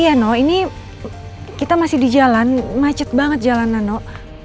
iya no ini kita masih di jalan macet banget jalanan nok